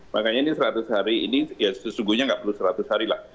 makanya ini seratus hari ini ya sesungguhnya nggak perlu seratus hari lah